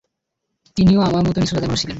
তিনিও আমার মতো নীচু জাতের মানুষ ছিলেন।